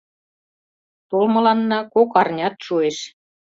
...Толмыланна кок арнят шуэш.